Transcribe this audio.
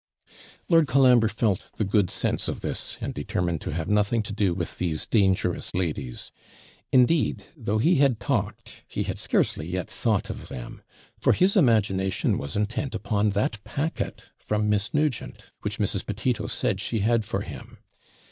Lord Colambre felt the good sense of this, and determined to have nothing to do with these dangerous ladies; indeed, though he had talked, he had scarcely yet thought of them; for his imagination was intent upon that packet from Miss Nugent, which Mrs. Petito said she had for him.